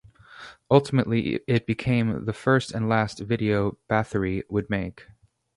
Ultimately, it became the first and last video Bathory would make.